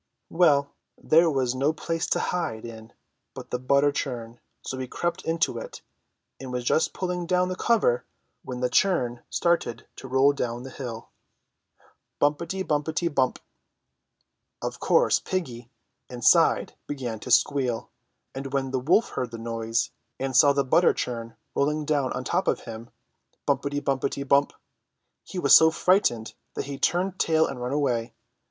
Well, there was no place to hide in but the butter churn ; so he crept into it, and was just pulling down the cover when the churn started to roll down the hill — 178 ENGLISH FAIRY TALES Bumpetyy bumpety, bump ! Of course piggy, inside, began to squeal, and when the wolf heard the noise, and saw the butter churn rolling down on top of him — Bumpety, bumpety, bump !— he was so frightened that he turned tail and ran away.